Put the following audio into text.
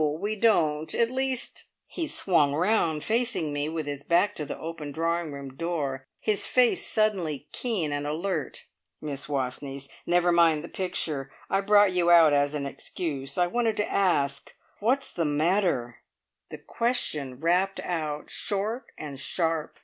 We don't. At least " He swung round, facing me, with his back to the open drawing room door, his face suddenly keen and alert. "Miss Wastneys never mind the picture! I brought you out as an excuse. I wanted to ask Whats the matter?" The question rapped out, short and sharp.